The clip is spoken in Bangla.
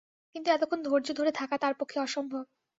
কিন্তু এতক্ষণ ধৈর্য ধরে থাকা তাঁর পক্ষে অসম্ভব।